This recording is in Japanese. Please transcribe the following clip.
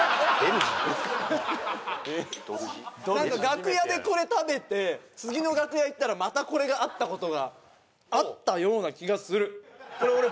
なんか楽屋でこれ食べて次の楽屋行ったらまたこれがあったことがあったような気がするこれ